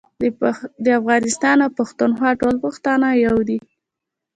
د افغانستان او پښتونخوا ټول پښتانه يو دي